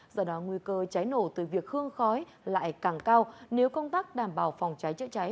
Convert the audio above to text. do đó nguy cơ cháy nổ từ việc hương khói lại càng cao nếu công tác đảm bảo phòng cháy chữa cháy